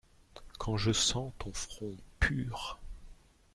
Quand je sens ton front pur…